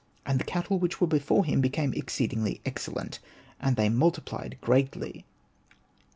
And the cattle which were before him became exceeding excellent, and they multiplied greatly.